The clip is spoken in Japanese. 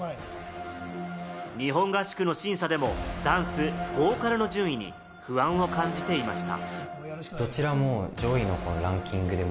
日本合宿の審査でもダンス、ボーカルの順位に不安を感じていました。